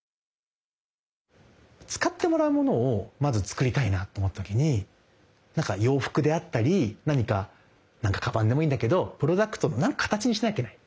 使ってもらうものをまず作りたいなと思った時になんか洋服であったり何かカバンでもいいんだけどプロダクトの何か形にしなきゃいけない。